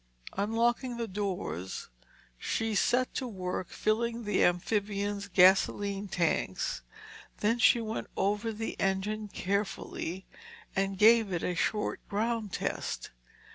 Unlocking the doors, she set to work filling the amphibian's gasoline tanks. Then she went over the engine carefully and gave it a short ground test.